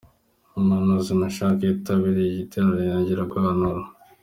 Umuhanuzi Mechack yitabiriye icyo giterane yongera guhanura.